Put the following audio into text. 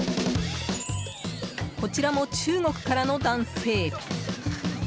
こちらも中国からの男性。